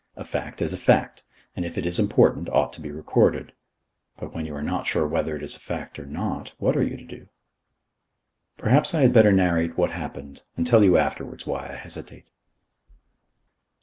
A fact is a fact, and, if it is important, ought to be recorded. But when you are not sure whether it is a fact or not, what are you to do? Perhaps I had better narrate what happened and tell you afterwards why I hesitate.